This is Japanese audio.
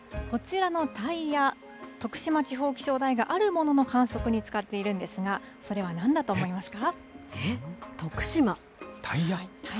こちらのタイヤ、徳島地方気象台があるものの観測に使っているんですが、それは何だと思いますか。